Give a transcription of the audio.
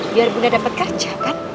biar bunda dapat kaca kan